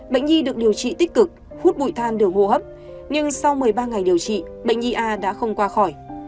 bệnh nhi được điều trị tích cực hút bụi than đường hô hấp nhưng sau một mươi ba ngày điều trị bệnh nhi a đã không qua khỏi